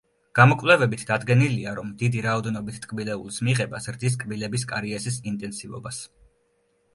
გამოკვლევებით დადგენილია, რომ დიდი რაოდენობით ტკბილეულის მიღება ზრდის კბილების კარიესის ინტენსივობას.